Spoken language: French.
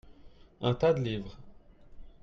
Un tas de livres.